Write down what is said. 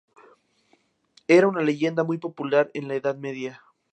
Era una leyenda muy popular en la Edad Media.